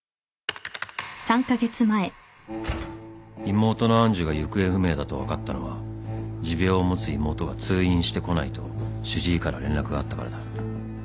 ［妹の愛珠が行方不明だと分かったのは持病を持つ妹が通院してこないと主治医から連絡があったからだ］